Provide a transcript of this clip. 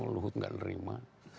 luhut tidak menerima